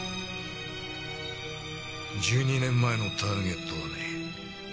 １２年前のターゲットはね